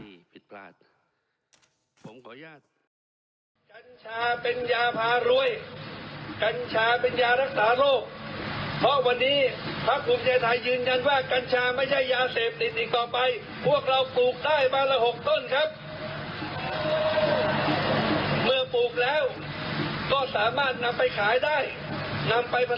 เมื่อปลูกแล้วก็สามารถนำไปขายได้นำไปผสมอาหารได้นำไปเป็นเครื่องปรุงอาหารได้